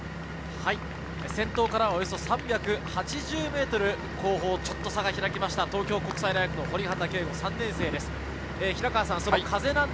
先頭からおよそ３８０ｍ後方、ちょっと差が開いた東京国際大学、堀畑佳吾・３年生です。